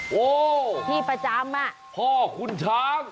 โอ้ที่ประจำอ่ะพ่อคุณช้าง